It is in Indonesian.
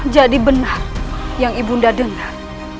jadi benar yang ibu anda dengar